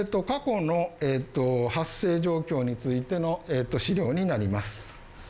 過去の発生状況についての資料になります。